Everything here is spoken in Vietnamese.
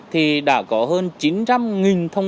thì đã có hơn chín trăm linh thông tin